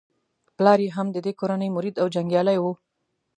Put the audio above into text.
پلار یې هم د دې کورنۍ مرید او جنګیالی وو.